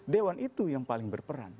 dewan itu yang paling berperan